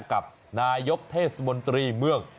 กับนายกเทศมนตรีเมือง